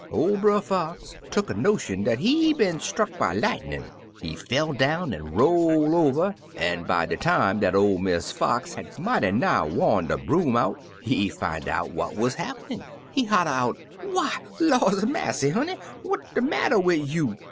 "Or Brer Fox tuck a notion dat he been struck by lightnin'; he fell down an' roll over, an' by de time dat ol' Miss Fox had mighty nigh wo' de broom out, he fin' out what 'uz happenin'. He holla out, *Why, laws a massey, honey! What de matter wid you?